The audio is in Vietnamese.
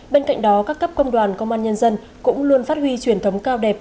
bên cạnh đó các cấp công đoàn công an nhân dân cũng luôn phát huy truyền thống cao đẹp